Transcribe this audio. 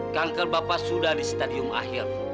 kanker bapak sudah di stadium akhir